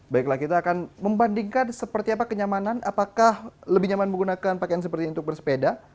baiklah kita akan membandingkan seperti apa kenyamanan apakah lebih nyaman menggunakan pakaian seperti ini untuk bersepeda